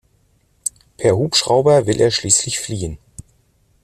Per Hubschrauber will er schließlich fliehen.